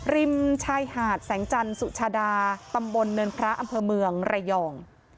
ริมชายหาดแสงจันทร์สุชาดาตำบลเนินพระอำเภอเมืองระยอง